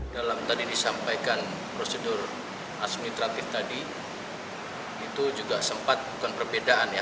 dalam tadi disampaikan prosedur administratif tadi itu juga sempat bukan perbedaan ya